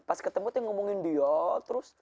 pas ketemu tuh ngomongin dia terus